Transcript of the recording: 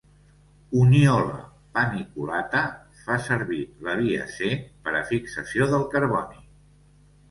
"Uniola paniculata" fa servir la via C per a fixació del carboni.